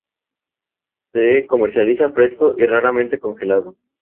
Se comercializa fresco y, raramente, congelado.